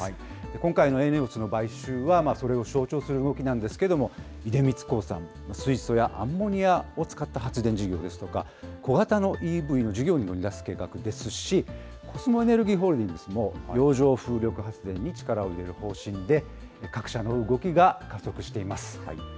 今回のＥＮＥＯＳの買収は、それを象徴する動きなんですけれども、出光興産、水素やアンモニアを使った発電事業ですとか、小型のＥＶの事業に乗り出す計画ですし、コスモエネルギーホールディングスも洋上風力発電に力を入れる方針で、各社の動きが加速しています。